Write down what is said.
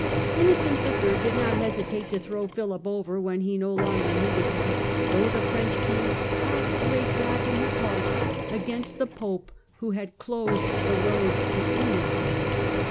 Innocent HI. did not hesitate to throw Philip over when he no longer needed him, though the French king " had great wrath in his heart against the Pope, who had closed the road to England to him."